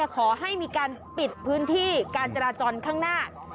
ขอให้มีการปิดพื้นที่การจราจรข้างหน้า